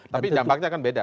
tapi dampaknya akan beda